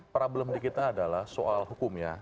problem di kita adalah soal hukum ya